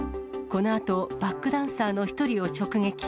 このあと、バックダンサーの１人を直撃。